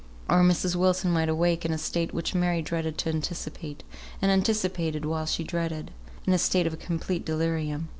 Or Mrs. Wilson might awake in a state which Mary dreaded to anticipate, and anticipated while she dreaded; in a state of complete delirium.